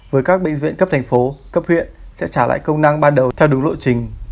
với các bệnh viện cấp thành phố cấp huyện sẽ trả lại công năng ban đầu theo đúng lộ trình